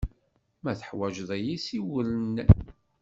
Ma teḥwaǧeḍ-iyi, siwel-n.